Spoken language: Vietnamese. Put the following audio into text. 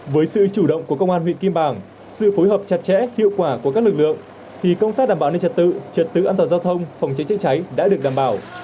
với sự chủ động của công an huyện kim bàng sự phối hợp chặt chẽ hiệu quả của các lực lượng thì công tác đảm bảo an ninh trật tự trật tự an toàn giao thông phòng chế chế cháy đã được đảm bảo